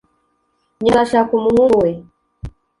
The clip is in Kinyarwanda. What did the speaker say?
nyina azashaka umuhungu we